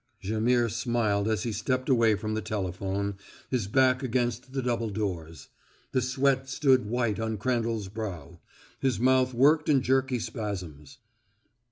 Jaimihr smiled as he stepped away from the telephone, his back against the double doors. The sweat stood white on Crandall's brow; his mouth worked in jerky spasms.